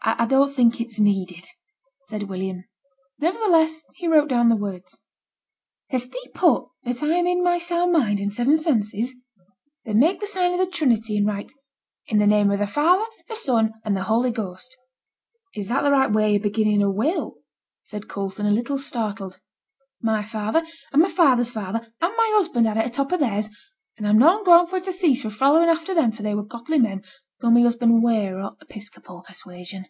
"' 'I don't think it's needed,' said William. Nevertheless he wrote down the words. 'Hast thee put that I'm in my sound mind and seven senses? Then make the sign of the Trinity, and write, "In the name of the Father, the Son, and the Holy Ghost."' 'Is that the right way o' beginning a will?' said Coulson, a little startled. 'My father, and my father's father, and my husband had it a top of theirs, and I'm noane going for to cease fra' following after them, for they were godly men, though my husband were o' t' episcopal persuasion.'